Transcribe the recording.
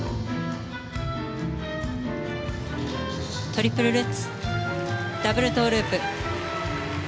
トリプルルッツダブルトウループ。